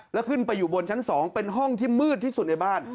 แล้วขึ้นไปอยู่บนชั้น๒เป็นห้องที่มืดที่สุดในบ้าน